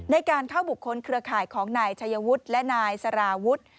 ในการเข้าบุคคลเครือข่ายของนายชัยวุฒิและนายสารวุฒิ